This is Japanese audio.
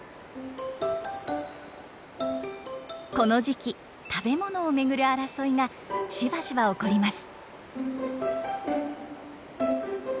この時期食べ物を巡る争いがしばしば起こります。